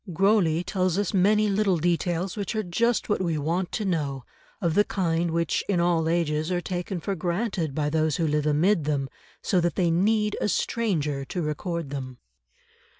Grosley tells us many little details which are just what we want to know, of the kind which in all ages are taken for granted by those who live amid them, so that they need a stranger to record them.